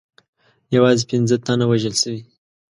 یوازې پنځه تنه وژل سوي.